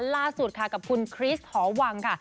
ล่าสุดค่ะกับคุณคริสหอวังค่ะ